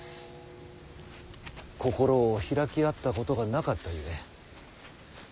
心を開き合ったことがなかったゆえ。